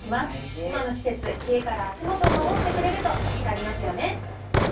今の季節、冷えから足元を守ってくれると助かりますよね。